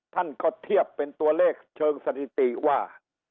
ท่านก็เทียบเป็นตัวเลขเชิงสถิติว่า